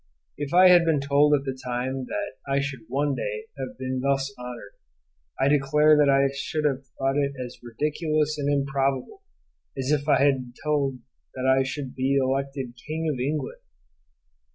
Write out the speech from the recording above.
If I had been told at that time that I should one day have been thus honoured, I declare that I should have thought it as ridiculous and improbable, as if I had been told that I should be elected King of England.